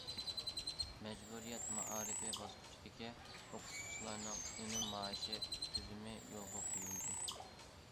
مەجبۇرىيەت مائارىپى باسقۇچىدىكى ئوقۇتقۇچىلارنىڭ ئۈنۈم مائاشى تۈزۈمى يولغا قويۇلدى.